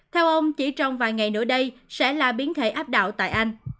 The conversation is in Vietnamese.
theo ông chỉ trong vài ngày nữa đây sẽ là biến thể áp đạo tại anh